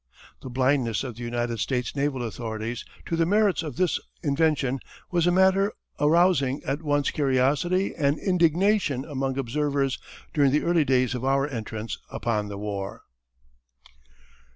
The blindness of the United States naval authorities to the merits of this invention was a matter arousing at once curiosity and indignation among observers during the early days of our entrance upon the war.